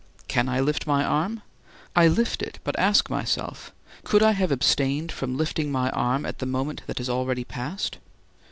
Can I lift my arm? I lift it, but ask myself: could I have abstained from lifting my arm at the moment that has already passed?